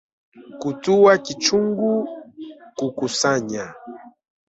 "Kutua kichungu, kukusanya,"